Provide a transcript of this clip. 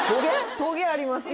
トゲありますよ